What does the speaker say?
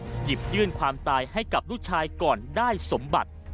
หยิบยื่นความตายให้กับลูกชายก่อนได้สมบัติ